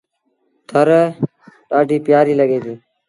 ٿر ڏآڍيٚ پيٚآريٚ لڳي ديٚ۔